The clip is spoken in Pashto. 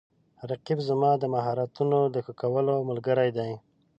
رقیب زما د مهارتونو د ښه کولو ملګری دی